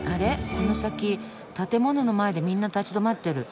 この先建物の前でみんな立ち止まってる。